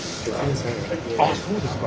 あっそうですか。